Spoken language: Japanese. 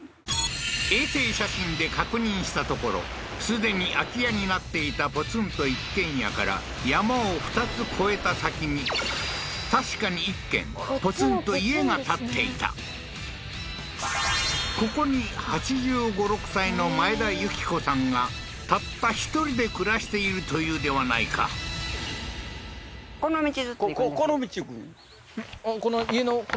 衛星写真で確認したところすでに空き家になっていたポツンと一軒家から山を２つ越えた先に確かに１軒ポツンと家が建っていたここに８５８６歳のマエダユキコさんがたった１人で暮らしているというではないか道なり？